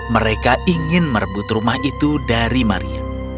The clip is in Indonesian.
mereka ingin merebut rumah itu dari maria